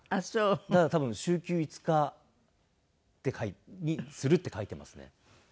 だから多分「週休５日にする」って書いてますね。